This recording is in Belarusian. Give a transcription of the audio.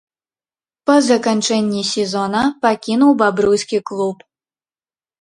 Па заканчэнні сезона пакінуў бабруйскі клуб.